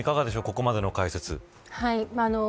ここまでの解説。